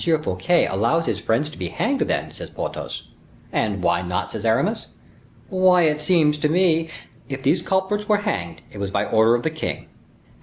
Fouquet allows his friends to be hanged, then," said Porthos. "And why not?" said Aramis. "Why, it seems to me—" "If these culprits were hanged, it was by order of the king. Now M.